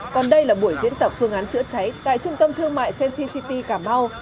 còn đây là buổi diễn tập phương án chữa cháy tại trung tâm thương mại sensi city cà mau